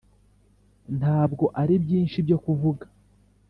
ntabwo ari byinshi byo kuvuga